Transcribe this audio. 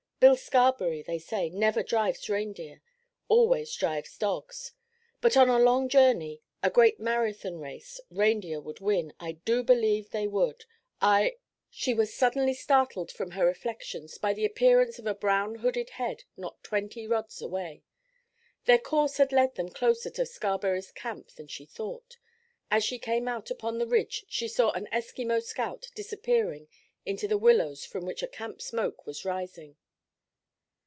Bill Scarberry, they say, never drives reindeer; always drives dogs. But on a long journey, a great marathon race, reindeer would win, I do believe they would. I—" She was suddenly startled from her reflections by the appearance of a brown hooded head not twenty rods away. Their course had led them closer to Scarberry's camp than she thought. As she came out upon the ridge she saw an Eskimo scout disappearing into the willows from which a camp smoke was rising.